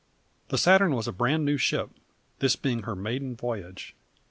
The Saturn was a brand new ship, this being her maiden voyage.